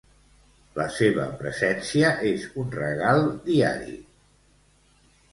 La seva presència és un regal diari.